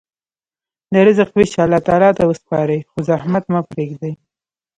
د رزق ویش الله تعالی ته وسپارئ، خو زحمت مه پرېږدئ.